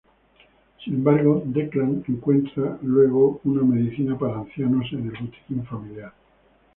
Sin embargo, Declan encuentra, luego, una medicina para ancianos en el botiquín familiar.